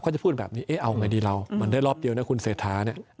จะพูดแบบนี้เอ๊ะเอาไงดีเรามันได้รอบเดียวนะคุณเศรษฐาเนี่ย